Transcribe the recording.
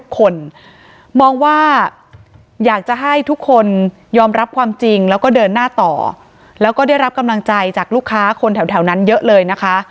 คนมองว่าอยากจะให้ทุกคนยอมรับความจริงแล้วก็เดินหน้าต่อแล้วก็ได้รับกำลังใจจากลูกค้าคนแถวนั้นเยอะเลยนะคะ